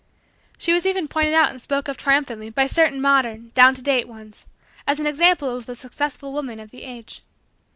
She was even pointed out and spoken of triumphantly, by certain modern, down to date, ones, as an example of the successful woman of the age.